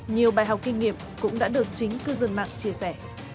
nhiều bài học kinh nghiệm cũng đã được chính cư dân mạng chia sẻ